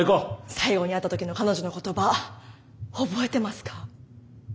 最後に会った時の彼女の言葉覚えてますか？